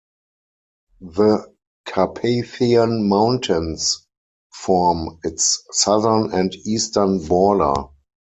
The Carpathian Mountains form its southern and eastern border.